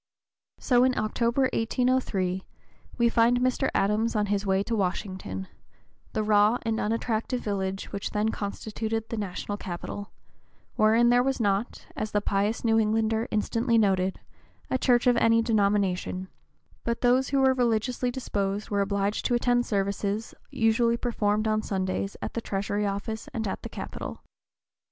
So in October, 1803, we find Mr. Adams on his way to Washington, the raw and unattractive village which then constituted the national capital, wherein there was not, as the pious New Englander instantly noted, a church of any denomination; but those who were religiously disposed were obliged to attend services "usually performed on Sundays at the Treasury Office and at the Capitol."